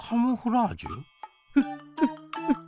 ・フッフッフッ。